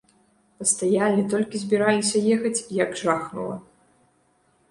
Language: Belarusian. Пастаялі, толькі збіраліся ехаць, як жахнула!